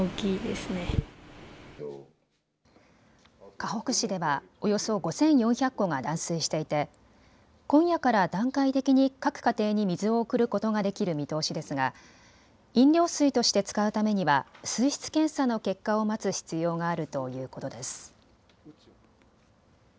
かほく市ではおよそ５４００戸が断水していて今夜から段階的に各家庭に水を送ることができる見通しですが飲料水として使うためには水質検査の結果を待つ必要があるということです。